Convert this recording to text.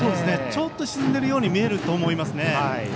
ちょっと沈んでいるように見えると思います。